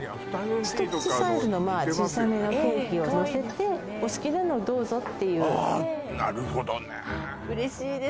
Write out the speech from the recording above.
一口サイズの小さめのケーキを乗せてお好きなのをどうぞっていってなるほどね嬉しいです